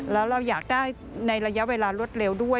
แล้วเราอยากได้ในระยะเวลารวดเร็วด้วย